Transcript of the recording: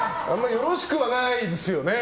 よろしくはないですよね。